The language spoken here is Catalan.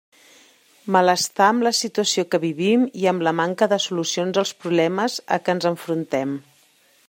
Malestar amb la situació que vivim i amb la manca de solucions als problemes a què ens enfrontem.